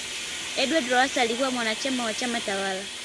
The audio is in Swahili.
edward Lowasa alikuwa mwanachama wa chama tawala